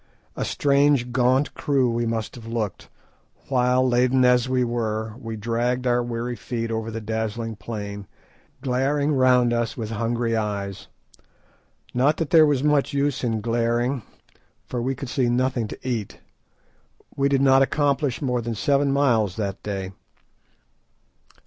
A strange gaunt crew we must have looked, while, laden as we were, we dragged our weary feet over the dazzling plain, glaring round us with hungry eyes. Not that there was much use in glaring, for we could see nothing to eat. We did not accomplish more than seven miles that day.